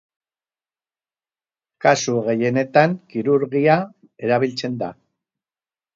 Kasu gehienetan kirurgia erabiltzen da.